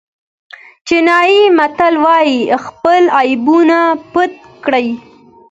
چینایي متل وایي خپل عیبونه پټ کړئ.